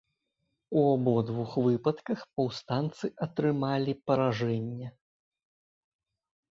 У абодвух выпадках паўстанцы атрымалі паражэнне.